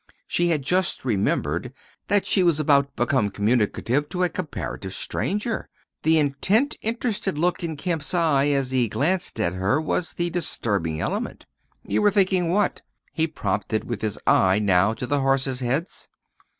She had just remembered that she was about to become communicative to a comparative stranger; the intent, interested look in Kemp's eye as he glanced at her was the disturbing element. "You were thinking what?" he prompted with his eye now to the horses' heads.